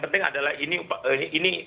penting adalah ini